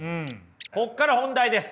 ここから本題です。